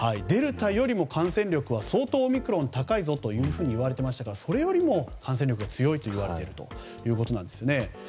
デルタよりも感染力は相当オミクロンは高いぞと言われていましたからそれよりも感染力が強いといわれているんですね。